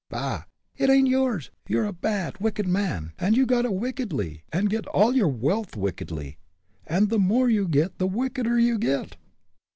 "Bah! it ain't yours! You're a bad, wicked man, and you got it wickedly, and get all your wealth wickedly, and the more you get the wickeder you get.